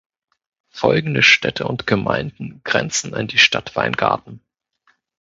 Folgende Städte und Gemeinden grenzen an die Stadt Weingarten.